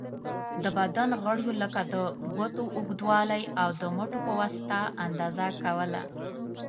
د بدن غړیو لکه د ګوتو اوږوالی، او د مټو په واسطه اندازه کوله.